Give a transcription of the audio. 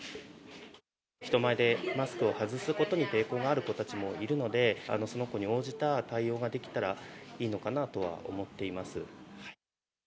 人前でマスクを外すことに抵抗がある子たちもいるので、その子に応じた対応ができたらいいのかなとは思っています。